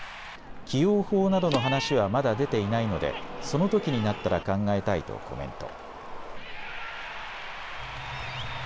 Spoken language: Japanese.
起用法などの話はまだ出ていないのでそのときになったら考えたいとコメント。